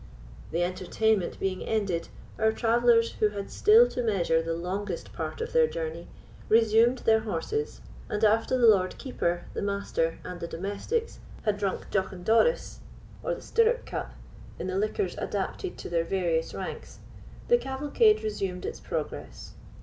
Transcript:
The entertainment being ended, our travellers, who had still to measure the longest part of their journey, resumed their horses; and after the Lord Keeper, the Master, and the domestics had drunk doch an dorroch, or the stirrup cup, in the liquors adapted to their various ranks, the cavalcade resumed its progress.